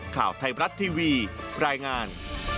ข่าวไทยบรัฐทีวีรายงาน